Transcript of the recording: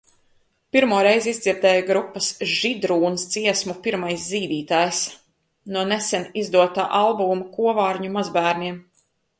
Pirmo reizi izdzirdēju grupas "Židrūns" dziesmu "Pirmais zīdītājs" no nesen izdotā albuma "Kovārņu mazbērniem".